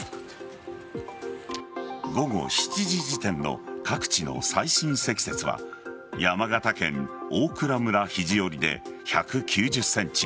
午後７時時点の各地の最深積雪は山形県大蔵村肘折で１９０ｃｍ